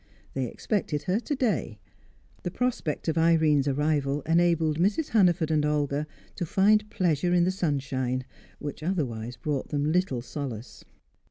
They expected her to day. The prospect of Irene's arrival enabled Mrs. Hannaford and Olga to find pleasure in the sunshine, which otherwise brought them little solace.